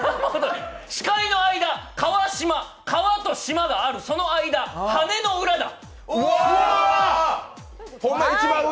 司会の間、川島、川と島があるその間、羽根の裏だ。